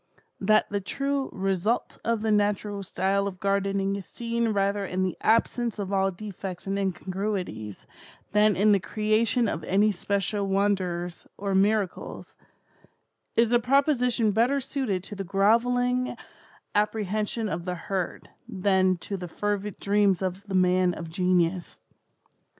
That the true 'result of the natural style of gardening is seen rather in the absence of all defects and incongruities, than in the creation of any special wonders or miracles,' is a proposition better suited to the grovelling apprehension of the herd, than to the fervid dreams of the man of genius.